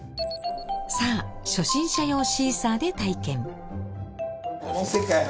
さあ初心者用シーサーで体験。